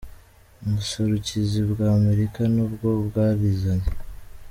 Ubuserukizi bwa Amerika ni bwo bwarizanye.